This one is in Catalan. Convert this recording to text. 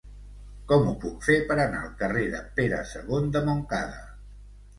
Com ho puc fer per anar al carrer de Pere II de Montcada?